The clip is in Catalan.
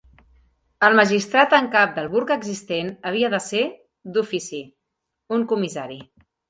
El magistrat en cap del burg existent havia de ser, "d'ofici", un comissari.